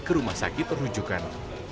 ke rumah sakit terhujukan